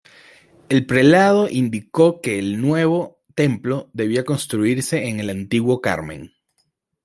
El prelado indicó que el nuevo templo debía construirse en el antiguo Carmen.